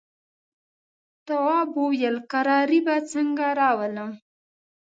تواب وويل: کراري به څنګه راولم.